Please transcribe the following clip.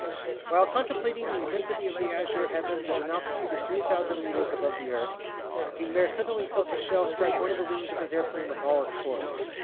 While contemplating the immensity of the azure heavens at an altitude of 3,000 meters above the earth, Guynemer suddenly felt a shell strike one of the wings of his airplane with all its force.